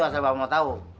the's yang bapak mau tau